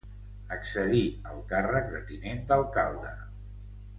Accedí al càrrec de tinent d'alcalde.